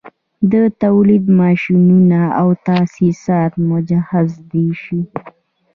د تولید ماشینونه او تاسیسات مجهز شي